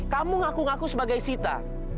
kamu ngaku ngaku sebagai sita